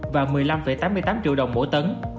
và một mươi năm tám mươi tám triệu đồng mỗi tấn